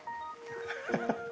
ハッハハ。